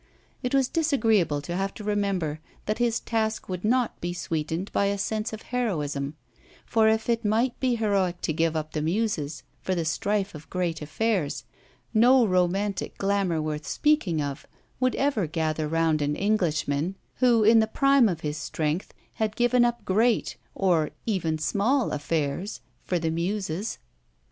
It was disagreeable to have to remember that his task would not be sweetened by a sense of heroism; for if it might be heroic to give up the muses for the strife of great affairs, no romantic glamour worth speaking of would ever gather round an Englishman who in the prime of his strength had given up great or even small affairs for the muses.